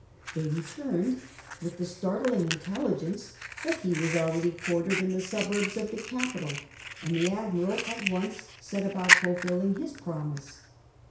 They returned with the startling intelligence that he was already quartered in the suburbs of the capital, and the Admiral at once set about fulfilling his promise.